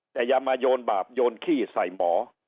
แต่อย่ามาโยนบาปโยนขี้ใส่หมอ